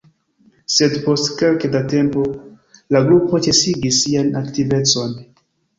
Sed, post kelke da tempo la grupo ĉesigis sian aktivecon.